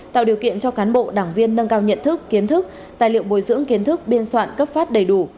tạo điều kiện cho cán bộ đảng viên nâng cao nhận thức kiến thức tài liệu bồi dưỡng kiến thức biên soạn cấp phát đầy đủ